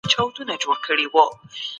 ټولنه به ثابته پاتې سي.